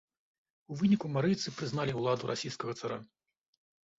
У выніку марыйцы прызналі ўладу расійскага цара.